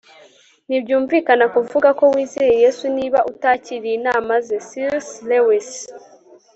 ntibyumvikana kuvuga ko wizeye yesu niba udakiriye inama ze - c s lewis